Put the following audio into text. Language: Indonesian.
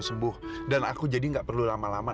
loh itu kan ibunya aksan